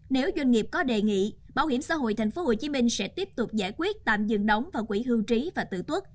nếu doanh nghiệp có đề nghị bảo hiểm xã hội tp hcm sẽ tiếp tục giải quyết tạm dừng đóng vào quỹ hưu trí và tử tuất